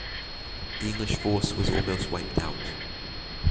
The English force was almost wiped out.